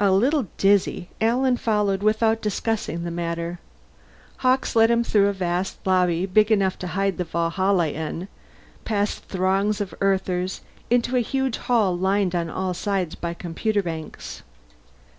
A little dizzy, Alan followed without discussing the matter. Hawkes led him through a vast lobby big enough to hide the Valhalla in, past throngs of Earthers, into a huge hall lined on all sides by computer banks.